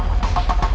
aku mau ke rumah